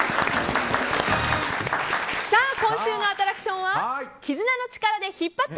今週のアトラクションは絆の力で引っ張って！